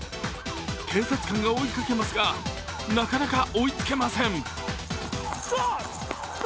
警察官が追いかけますが、なかなか追いつけません。